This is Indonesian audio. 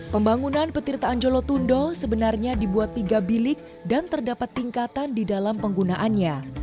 pembangunan petirtaan jolotundo sebenarnya dibuat tiga bilik dan terdapat tingkatan di dalam penggunaannya